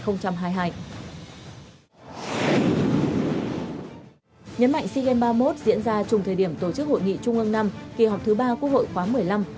nhấn mạnh sigen ba mươi một diễn ra trùng thời điểm tổ chức hội nghị trung ương năm kỳ họp thứ ba quốc hội khóa một mươi năm